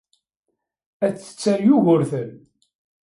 Ad tetter Yugurten.